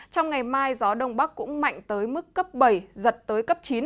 trong ngày mai gió đông bắc cũng mạnh tới mức cấp bảy giật tới cấp chín